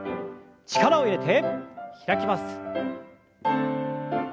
力を入れて開きます。